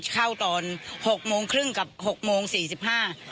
เข้าตอน๖๓๐บาทกับ๖๔๕บาท